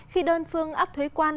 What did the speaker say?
khi đơn phương áp thuế quan